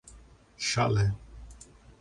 Chalé